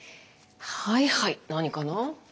はいはい何かな？